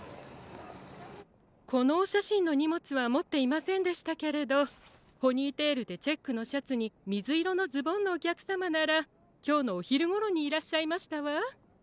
このおしゃしんのにもつはもっていませんでしたけれどポニーテールでチェックのシャツにみずいろのズボンのおきゃくさまならきょうのおひるごろにいらっしゃいましたわ。